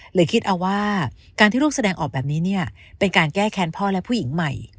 หรือคิดเอาว่าการที่ลูกแสดงออกแบบนี้เนี่ยเป็นการแก้แค้นพ่อและผู้หญิงใหม่